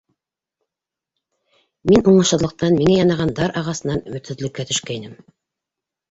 Мин уңышһыҙлыҡтан, миңә янаған дар ағасынан өмөтһөҙлөккә төшкәйнем.